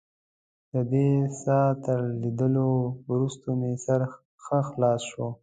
ددې څاه تر لیدلو وروسته مې سر ښه خلاص شو.